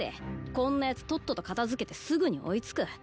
こんなヤツとっとと片づけてすぐに追いつく。